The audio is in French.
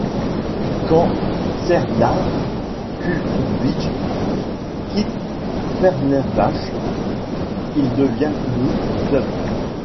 Quand Serdar Kulbilge quitte Fenerbahce, il devient le du club.